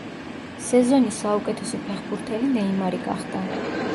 სეზონის საუკეთესო ფეხბურთელი ნეიმარი გახდა.